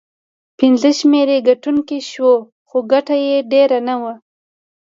پنځمه شمېره ګټونکی شو، خو ګټه یې ډېره نه وه.